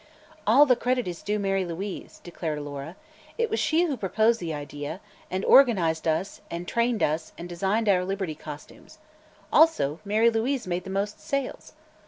"All the credit is due Mary Louise," declared Alora. "It was she who proposed the idea, and who organized us and trained us and designed our Liberty costumes. Also, Mary Louise made the most sales."